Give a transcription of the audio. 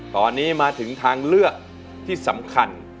ตอนนี้มาถึงทางเลือกที่สำคัญ